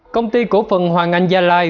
công ty cổ phần hoàng anh gia lai